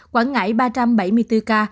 quảng ngãi ba trăm bảy mươi bốn ca